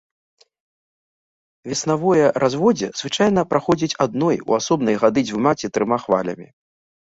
Веснавое разводдзе звычайна праходзіць адной, у асобныя гады дзвюма ці трыма хвалямі.